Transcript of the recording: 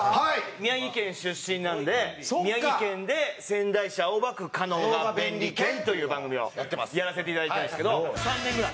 宮城県出身なんで宮城県で『仙台市青葉区かのおが便利軒』という番組をやらせていただいてるんですけど３年ぐらい。